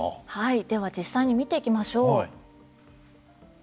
では実際に見ていきましょう。